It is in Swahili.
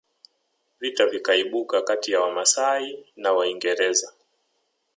Vita vikaibuka kati ya Wamasai na Waingereza